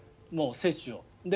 もう接種を。